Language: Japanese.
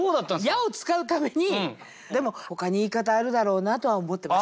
「や」を使うためにでもほかに言い方あるだろうなとは思ってました。